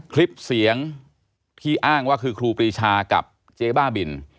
คลิปเสียงที่อ้างว่าคือครูปรีชากับเจ๊บ้าบิน